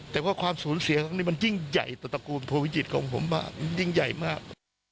แต่ว่าความสูญเสียครั้งนี้มันยิ่งใหญ่ต่อตระกูลโพวิจิตของผมยิ่งใหญ่มาก